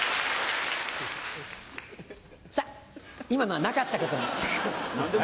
さっ今のはなかったことに。